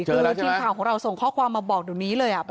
เจอแล้วใช่ไหมคือทีมข่าวของเราส่งข้อความมาบอกเดี๋ยวนี้เลยอ่ะ